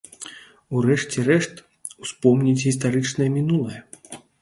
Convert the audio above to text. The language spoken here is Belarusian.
У рэшце рэшт, успомніць гістарычнае мінулае.